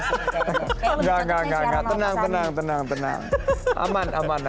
sesuai dengan menjadi anggap dari dua menteri ini setelah menerima tantangan menjadi jurnalis